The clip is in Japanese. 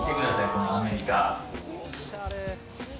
このアメリカ。